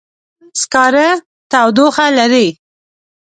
سکاره تودوخه لري.